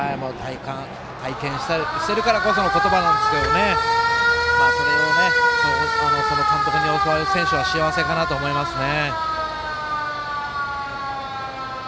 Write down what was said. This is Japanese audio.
体験しているからこその言葉なんですけど監督に教わる選手は幸せかなと思いますね。